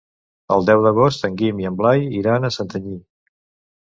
El deu d'agost en Guim i en Blai iran a Santanyí.